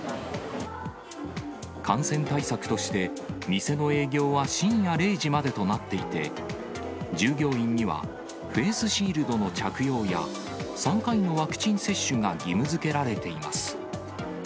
感染対策として、店の営業は深夜０時までとなっていて、従業員にはフェースシールドの着用や、３回のワクチン接種が義務づけられています。